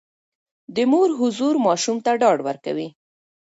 د مور حضور ماشوم ته ډاډ ورکوي.